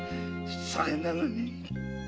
それなのに。